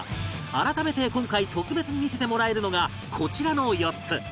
改めて今回特別に見せてもらえるのがこちらの４つ